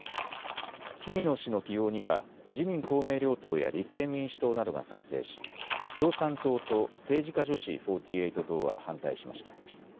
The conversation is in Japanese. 氷見野氏の起用には自民公明両党や立憲民主党などが賛成し共産党と政治家女子４８党は反対しました。